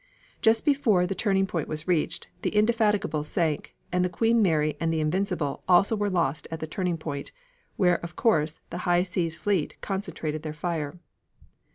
Just before the turning point was reached, the Indefatigable sank, and the Queen Mary and the Invincible also were lost at the turning point, where, of course, the High Seas Fleet concentrated their fire.